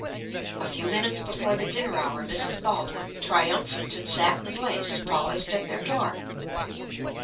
A few minutes before the dinner hour Mrs. Baldwin, triumphant in satin and lace, paused at their door.